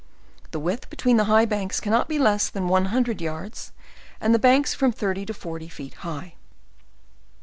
The width between the high banks can not be less than one hundred yards, and the banks from thhv ty to forty feet high.